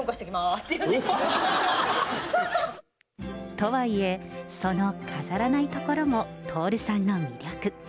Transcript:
とはいえ、その飾らないところも徹さんの魅力。